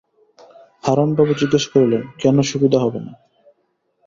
হারানবাবু জিজ্ঞাসা করিলেন, কেন সুবিধা হবে না?